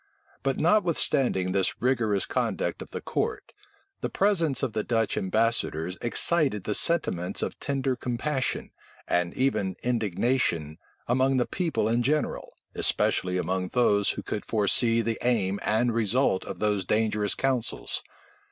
But notwithstanding this rigorous conduct of the court, the presence of the Dutch ambassadors excited the sentiments of tender compassion, and even indignation, among the people in general, especially among those who could foresee the aim and result of those dangerous counsels.